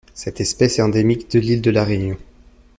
Cette espèce est endémique de l'île de La Réunion.